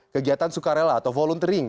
kegiatan sukarela atau volunteering